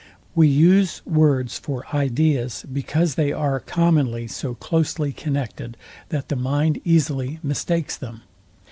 We use words for ideas, because they are commonly so closely connected that the mind easily mistakes them.